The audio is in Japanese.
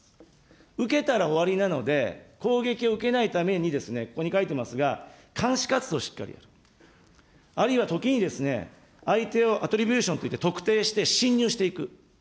受けたら終わりなので、攻撃を受けないためにですね、ここに書いてますが、監視活動をしっかりやる、あるいは時にですね、相手を、アトリビューションといって特定して侵入していく。